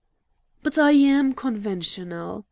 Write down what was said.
"But I AM conventional!"